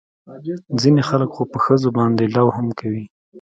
ځينې خلق خو په ښځو باندې لو هم کوي.